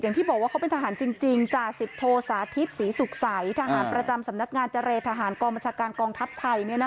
อย่างที่บอกว่าเขาเป็นทหารจริงจ่าสิบโทสาธิตศรีสุขใสทหารประจำสำนักงานเจรทหารกองบัญชาการกองทัพไทย